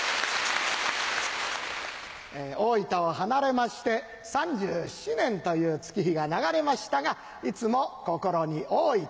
大分を離れまして３７年という月日が流れましたがいつも心に大分。